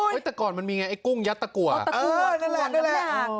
เฮ้ยแต่ก่อนมันมีไงไอ้กุ้งยัดตะกั่วอ๋อตะกั่วนั่นแหละนั่นแหละ